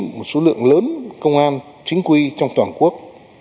một số lượng lớn công an chính quy trong toàn quốc